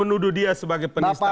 pelapornya mengaku pendukung ahok